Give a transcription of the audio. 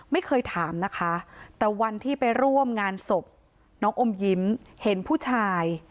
ไม่เคยถามนะคะแต่วันที่ไปร่วมงานศพน้องอมยิ้มเห็นผู้ชาย